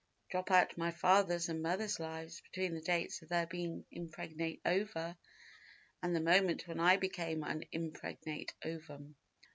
Drop out my father's and mother's lives between the dates of their being impregnate ova and the moment when I became an impregnate ovum.